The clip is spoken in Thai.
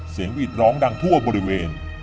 หวีดร้องดังทั่วบริเวณ